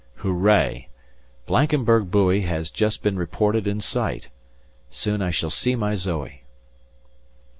Hooray! Blankenberg buoy has just been reported in sight! Soon I shall see my Zoe!